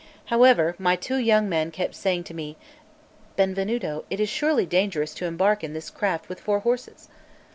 However, my two young men kept saying to me: "Benvenuto, it is surely dangerous to embark in this craft with four horses."